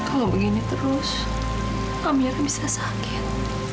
kalau begini terus amir bisa sakit